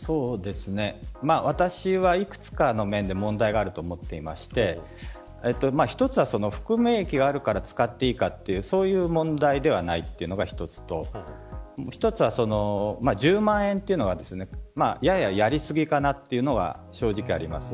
私はいくつかの面で問題があると思っていまして１つは、含み益があるから使っていいかというそういう問題ではないっていうのが１つともう１つは、１０万円というのはやや、やり過ぎかなというのは正直あります。